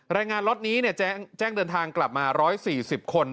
รายงานรถนี้แจ้งเดินทางกลับมา๑๔๐คน